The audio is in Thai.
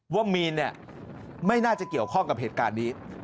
ว่ามีนเนี่ยไม่น่าจะเกี่ยวข้องกับเหตุการณ์นี้